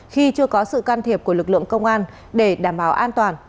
khi chưa có sự can thiệp của lực lượng công an để đảm bảo an toàn